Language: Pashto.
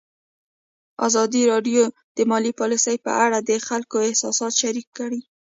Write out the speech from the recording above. ازادي راډیو د مالي پالیسي په اړه د خلکو احساسات شریک کړي.